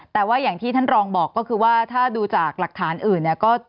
แต่ว่าอย่างที่ท่านรองบอกก็คือว่าถ้าดูจากหลักฐานอื่นเนี่ยก็